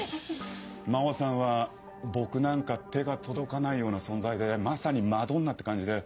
真帆さんは僕なんか手が届かないような存在でまさにマドンナって感じで。